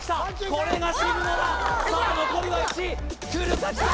これが渋野ださあ残りは１くるかきた！